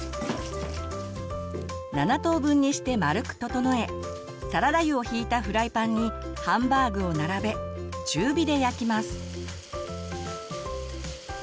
７等分にして丸く整えサラダ油をひいたフライパンにハンバーグを並べ中火で焼きます。